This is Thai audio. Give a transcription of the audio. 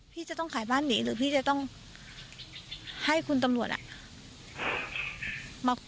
พี่จะต้องขายบ้านหนีหรือพี่จะต้องให้คุณตำรวจอ่ะ